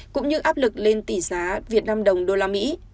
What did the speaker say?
cũng như áp lực lên tỷ giá việt nam đồng đô la mỹ